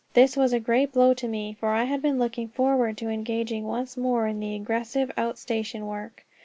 This was a great blow to me, for I had been looking forward to engaging once more in the aggressive out station work.